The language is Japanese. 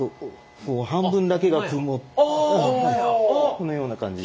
このような感じに。